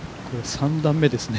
３段目ですね。